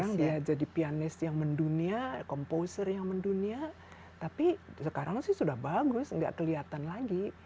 sekarang dia jadi pianis yang mendunia komposer yang mendunia tapi sekarang sih sudah bagus nggak kelihatan lagi